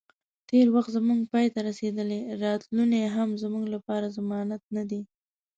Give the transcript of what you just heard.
تیر وخت زمونږ پای ته رسیدلی، راتلونی هم زموږ لپاره ضمانت نه دی